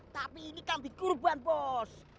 tapi ini kambing kurban bos